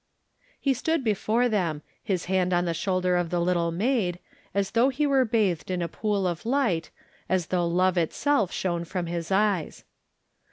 He stood before them, his hand on the shoulder of the little maid, as though he were bathed in a pool of light, as though love itself shone from his eyes.